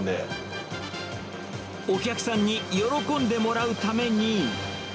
お客さんに喜んでもらうために。